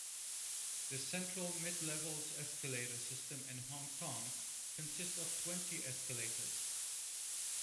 The Central-Midlevels escalator system in Hong Kong consists of twenty escalators.